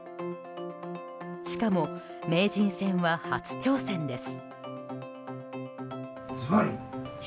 しかも名人戦は初挑戦です。